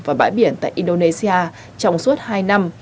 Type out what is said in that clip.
và bãi biển tại indonesia trong suốt hai năm